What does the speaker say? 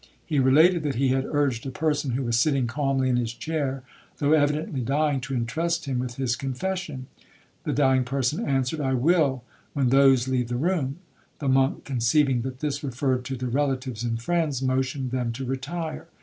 He related that he had urged a person, who was sitting calmly in his chair, though evidently dying, to intrust him with his confession. The dying person answered, 'I will, when those leave the room.' The monk, conceiving that this referred to the relatives and friends, motioned them to retire.